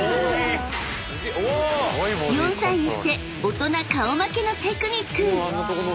［４歳にして大人顔負けのテクニック］